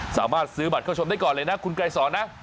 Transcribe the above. สามารถซื้อบัตรเข้าชมได้ก่อนเลยนะคุณไกรสอนนะ